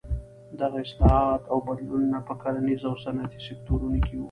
دغه اصلاحات او بدلونونه په کرنیز او صنعتي سکتورونو کې وو.